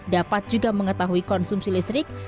dapat juga mengetahui konsumsi listrik